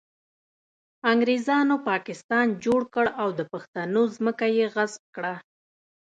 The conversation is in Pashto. انګریزانو پاکستان جوړ کړ او د پښتنو ځمکه یې غصب کړه